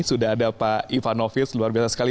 sudah ada pak ivanovis luar biasa sekali